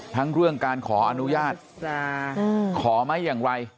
ทั้งเรื่องการขออนุญาตขอไหมอย่างไร